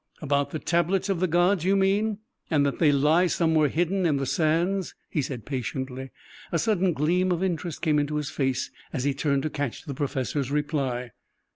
"About the Tablets of the Gods, you mean and that they lie somewhere hidden in the sands," he said patiently. A sudden gleam of interest came into his face as he turned to catch the professor's reply.